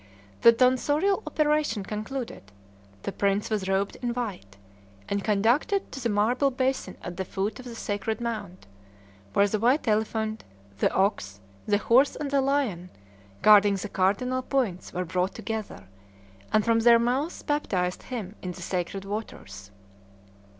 The tonsorial operation concluded, the prince was robed in white, and conducted to the marble basin at the foot of the Sacred Mount, where the white elephant, the ox, the horse, and the lion, guarding the cardinal points, were brought together, and from their mouths baptized him in the sacred waters.